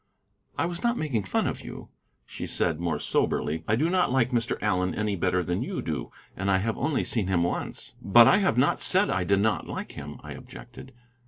"I was not making fun of you," she said, more soberly; "I do not like Mr. Allen any better than you do, and I have only seen him once." "But I have not said I did not like him," I objected.